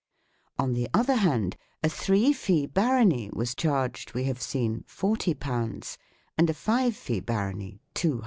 On the other hand, a three fee " barony" was charged, we have seen, 40, and a five fee " barony " 200.